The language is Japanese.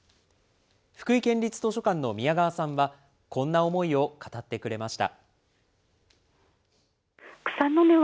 福井県立図書館の宮川さんは、こんな思いを語ってくれました。